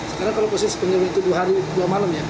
sekarang kalau posisi penyuluh itu dua hari dua malam ya